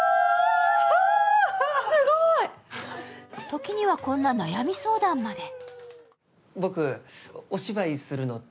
時には、こんな悩み相談まで。